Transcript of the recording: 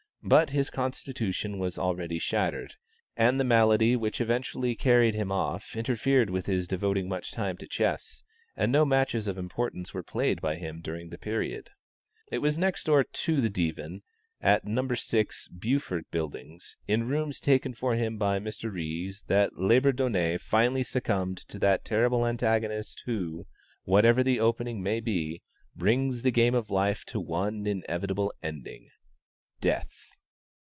But his constitution was already shattered, and the malady which eventually carried him off interfered with his devoting much time to chess, and no matches of importance were played by him during the period. It was next door to the Divan, at No. 6 Beaufort Buildings, in rooms taken for him by Mr. Ries, that Labourdonnais finally succumbed to that terrible antagonist who, whatever the opening may be, brings the game of life to one inevitable ending death!